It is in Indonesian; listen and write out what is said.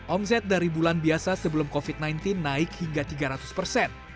omset dari bulan biasa sebelum covid sembilan belas naik hingga tiga ratus persen